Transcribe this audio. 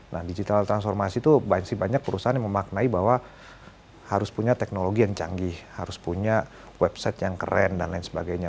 nah digital transformasi itu banyak perusahaan yang memaknai bahwa harus punya teknologi yang canggih harus punya website yang keren dan lain sebagainya